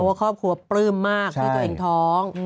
เพราะว่าครอบครัวปลื้มมากเพื่อตัวเองท้อง